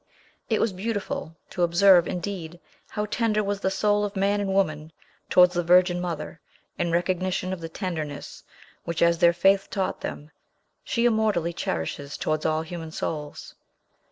It was beautiful to observe, indeed, how tender was the soul of man and woman towards the Virgin mother, in recognition of the tenderness which, as their faith taught them, she immortally cherishes towards all human souls.